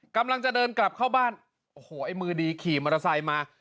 กำลังจะเดินกลับเข้าบ้านโอ้โหไอ้มือดีขี่มอเตอร์ไซค์มา